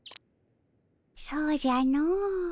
そうじゃの。